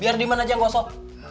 biar diman aja yang gosok